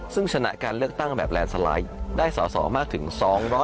ซึ่งชนะการเลือกตั้งแบบแลนด์สไลด์ได้ส่อมาถึง๒๖๐พิเศษ